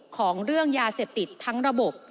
ของเรื่องยาเสพติดทั้งระบบ